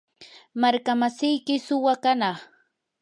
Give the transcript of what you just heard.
markamasiyki suwa kanaq.